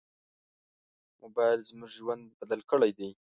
موبایل زموږ ژوند بدل کړی دی.